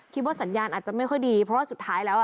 คิดว่าสัญญาณอาจจะไม่ค่อยดีเพราะว่าสุดท้ายแล้วอ่ะ